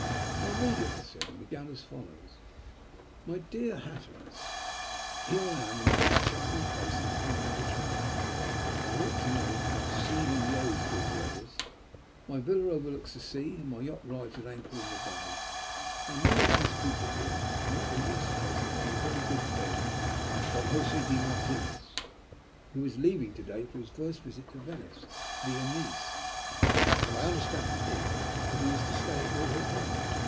"I'll read it," I said, and began as follows "MY DEAR HATTERAS, "Here I am in the most charming place on the whole Mediterranean, and I ought to know, for I've seen and loathed all the others. My villa overlooks the sea, and my yacht rides at anchor in the bay. There are many nice people here, and not the least pleasant is my very good friend, Don Josè de Martinos, who is leaving to day for his first visit to Venice, viâ Nice, and I understand from him that he is to stay at your hotel.